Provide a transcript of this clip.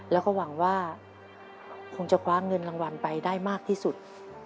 แล้วก็หวังว่าคงจะคว้าเงินรางวัลไปได้มากที่สุด